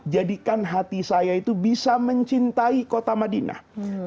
jadikan hati saya itu bisa mencintai kota madinah